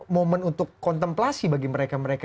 momen untuk kontemplasi bagi mereka mereka